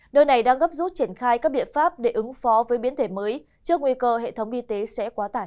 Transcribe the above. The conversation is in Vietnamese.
nơi này đang gấp rút triển khai các biện pháp để ứng phó với biến thể mới trước nguy cơ hệ thống y tế sẽ quá tải